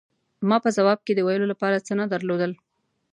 ما په ځواب کې د ویلو له پاره څه نه درلودل.